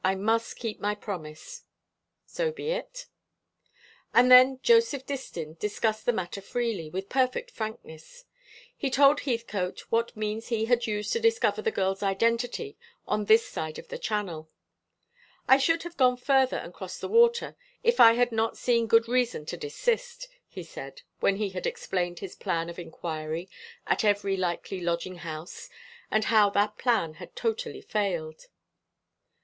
I must keep my promise." "So be it." And then Joseph Distin discussed the matter freely, with perfect frankness. He told Heathcote what means he had used to discover the girl's identity on this side of the Channel. "I should have gone further and crossed the water, if I had not seen good reason to desist," he said, when he had explained his plan of inquiry at every likely lodging house, and how that plan had totally failed.